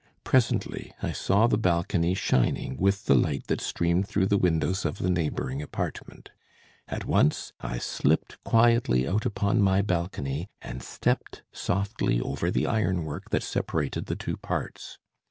Presently I saw the balcony shining with the light that streamed through the windows of the neighboring apartment. At once I slipped quietly out upon my balcony, and stepped softly over the ironwork that separated the two parts.